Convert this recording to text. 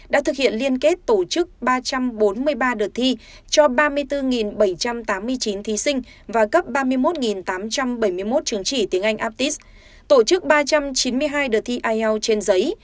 đã thực hiện liên kết tổ chức ba trăm bốn mươi ba đợt thi cho ba mươi bốn bảy trăm tám mươi chín thí sinh và cấp ba mươi một tám trăm bảy mươi một chứng chỉ tiếng anh aptis tổ chức ba trăm chín mươi hai đợt thi ielts trên giấy